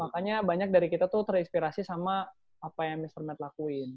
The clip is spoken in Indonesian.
dan makanya banyak dari kita tuh terinspirasi sama apa yang mr matt lakuin